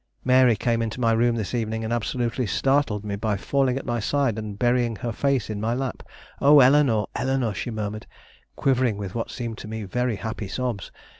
Mary came into my room this evening, and absolutely startled me by falling at my side and burying her face in my lap. 'Oh, Eleanore, Eleanore!' she murmured, quivering with what seemed to me very happy sobs.